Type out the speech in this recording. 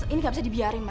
ini gak bisa dibiarin ma